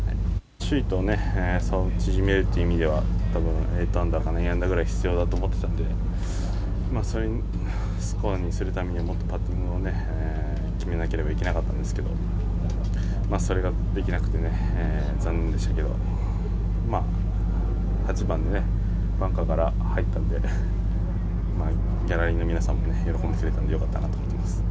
首位と差を縮めるという意味では多分、８アンダーか９アンダーくらい必要だと思っていたのでそういうスコアにするためにはもっとパッティングを決めなければいけなかったんですけどそれができなくて残念でしたけど８番でバンカーから入ったのでギャラリーの皆さんも喜んでくれたのでよかったと思います。